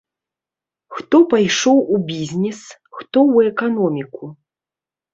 Хто пайшоў у бізнес, хто ў эканоміку.